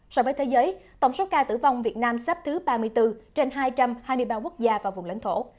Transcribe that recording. so với thế giới tổng số ca tử vong việt nam sắp thứ ba mươi bốn trên hai trăm hai mươi ba quốc gia và vùng lãnh thổ